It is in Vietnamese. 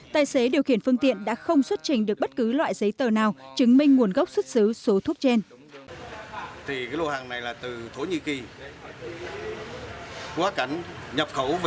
tài xế điều khiển phương tiện đã không xuất trình được bất cứ loại giấy tờ nào chứng minh nguồn gốc xuất xứ số thuốc trên